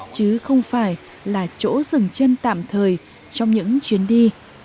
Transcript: chứ không phải là chỗ dừng chân tạm thời trong những chuyến đi